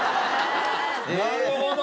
なるほど！